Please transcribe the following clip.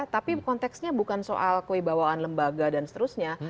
tapi konteksnya bukan soal kewibawaan lembaga dan seterusnya